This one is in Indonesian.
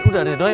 udah deh doi